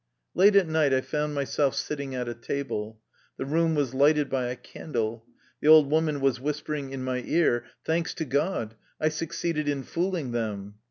Late at night I found myself sitting at a table. The room was lighted by a candle. The old woman was whispering in my ear: " Thanks to God ! I succeeded in fooling them."